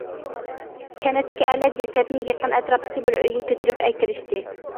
كەنتتىكى ئەرلەر جەسەتنى يېقىن ئەتراپتىكى بىر ئۆيگە كۆتۈرۈپ ئەكىرىشتى.